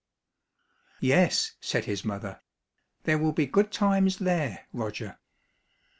"Yes," said his mother; "there will be good times there, Roger."